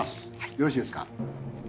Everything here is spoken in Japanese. よろしいですか？